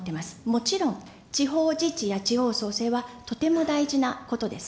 もちろん地方自治や地方創生はとても大事なことです。